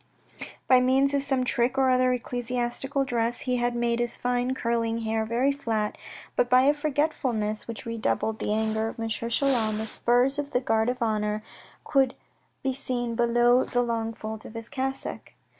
By means of some trick or other of ecclesiastical dress, he had made his fine curling hair very flat, but by a forgetfulness, which redoubled the anger of M. Chelan, the spurs of the Guard of Honour could be seen below the long folds of his cassock.